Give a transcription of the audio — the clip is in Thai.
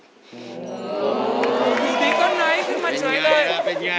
ดีกว่าไหนขึ้นมาใช้เลย